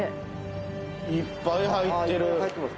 いっぱい入ってます